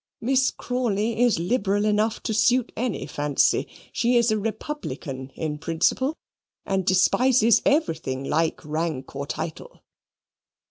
Miss Crawley is liberal enough to suit any fancy. She is a Republican in principle, and despises everything like rank or title."